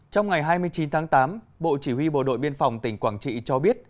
trong ngày hai mươi chín tháng tám bộ chỉ huy bộ đội biên phòng tỉnh quảng trị cho biết